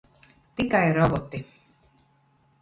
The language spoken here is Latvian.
Tikai roboti.